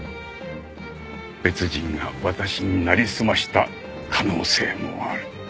別人が私になりすました可能性もある。